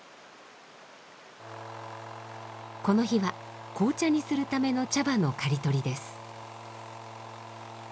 この日は紅茶にするための茶葉の刈り取りです。